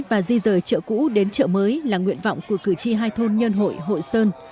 và di rời chợ cũ đến chợ mới là nguyện vọng của cử tri hai thôn nhân hội hội sơn